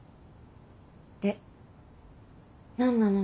で何なの？